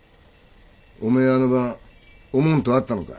お前あの晩おもんと会ったのかい？